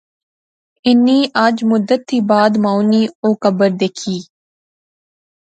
انی اج مدت تھی بعد مائو نی او قبر دیکھی